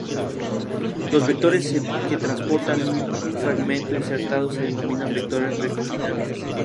Los vectores que transportan un fragmento insertado se denominan vectores recombinantes.